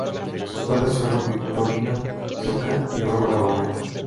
Sus padres fueron Victorio Soca y Bárbara Barreto.